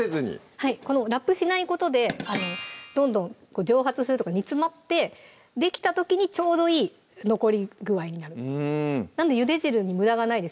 はいラップしないことでどんどん蒸発するというか煮詰まってできた時にちょうどいい残り具合になるなんでゆで汁にむだがないです